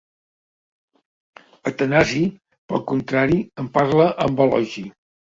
Atanasi pel contrari en parla amb elogi.